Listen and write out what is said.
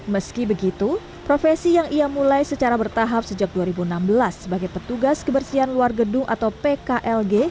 meski begitu profesi yang ia mulai secara bertahap sejak dua ribu enam belas sebagai petugas kebersihan luar gedung atau pklg